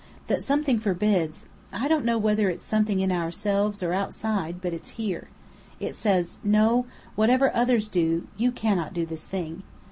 That something forbids I don't know whether it's something in ourselves or outside, but it's here. It says "No; whatever others do, you cannot do this thing."